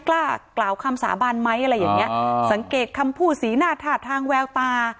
กล่ากล่าวคำสาบานไหมสังเกตคำพูดศรีหน้าธาตุทางแววตา